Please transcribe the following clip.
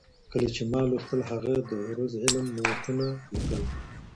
کله چي ما لوستل هغه د عروض علم نوټونه لیکل.